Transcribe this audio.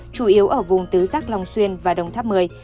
chủ yếu ở vùng tứ giác long xuyên và đồng tháp mười